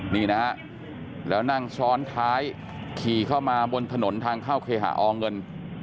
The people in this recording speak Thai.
นี่นะฮะแล้วนั่งซ้อนท้ายขี่เข้ามาบนถนนทางเข้าเคหาอเงิน